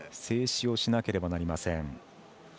静止をしなければなりません。